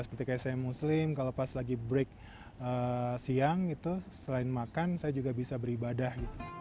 seperti kayak saya muslim kalau pas lagi break siang itu selain makan saya juga bisa beribadah